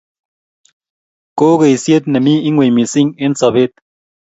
ko keisyet nemi ingweny missing eng sobet